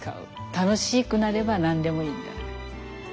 楽しくなれば何でもいいみたいな。